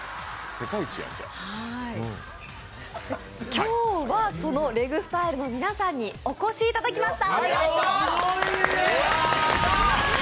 今日はＲＥＧ☆ＳＴＹＬＥの皆さんにお越しいただきました。